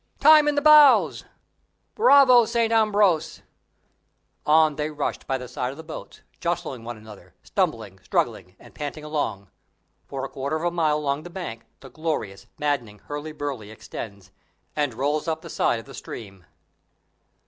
"Time in the bows!" "Bravo, St. Ambrose!" On they rushed by the side of the boats, jostling one another, stumbling, struggling, and panting along. For a quarter of a mile along the bank the glorious, maddening hurly burly extends, and rolls up the side of the stream.